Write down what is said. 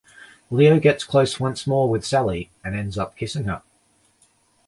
Leo gets close once more with Sally, and ends up kissing her.